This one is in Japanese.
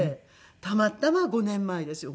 たまたま５年前ですよ